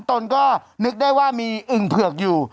ตนก็นึกได้ว่ามีอึ่งเผือกอยู่